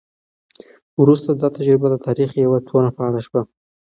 وروسته دا تجربه د تاریخ یوه توره پاڼه شوه.